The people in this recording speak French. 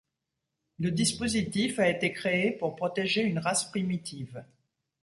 Le dispositif a été créé pour protéger une race primitive.